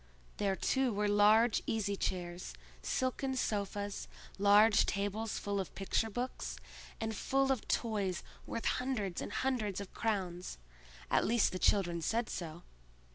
There, too, were large easy chairs, silken sofas, large tables full of picture books, and full of toys worth hundreds and hundreds of crowns—at least the children said so.